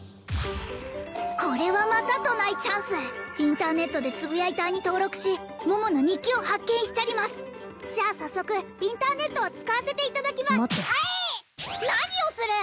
これはまたとないチャンスインターネットでつぶやいたーに登録し桃の日記を発見しちゃりますじゃあ早速インターネットを使わせていただきま待ってはい何をする！